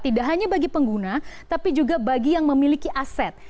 tidak hanya bagi pengguna tapi juga bagi yang memiliki aset